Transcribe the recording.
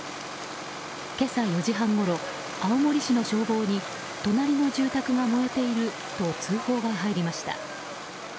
今朝４時半ごろ、青森市の消防に隣の住宅が燃えていると通報が入りました。